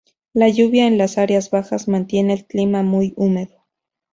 La lluvia en las áreas bajas mantienen el clima muy húmedo.